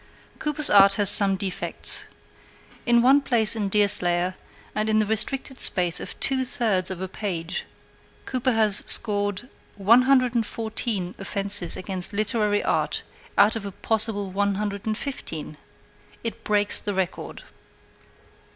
Cooper's art has some defects. In one place in 'Deerslayer,' and in the restricted space of two thirds of a page, Cooper has scored 114 offences against literary art out of a possible 115. It breaks the record.